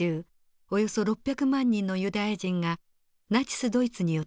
およそ６００万人のユダヤ人がナチス・ドイツによって虐殺されたのです。